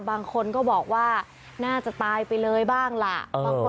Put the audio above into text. บางคนก็บอกว่าน่าจะตายไปเลยบ้างล่ะ